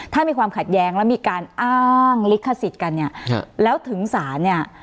ถ้ามีความขัดแย้งแล้วมีการอ้างลิขสิทธิ์กันเนี่ยแล้วถึงศาลเนี่ย